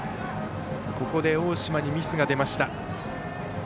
ここで大島にミスが出ました。